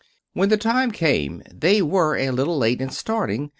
When the time came, they were a little late in starting.